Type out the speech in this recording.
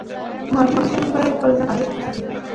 ماشوم باید د خپل ځان پر ارزښت پوه شي.